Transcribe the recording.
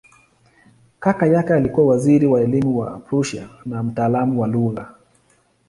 Kaka yake alikuwa waziri wa elimu wa Prussia na mtaalamu wa lugha.